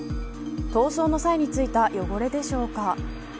逃走の際についた汚れでしょうか。